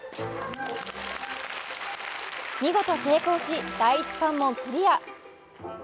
見事成功し、第一関門クリア。